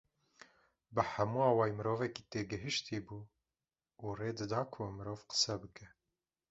Bi hemû awayî mirovekî têgihiştî bû û rê dida ku mirov qise bike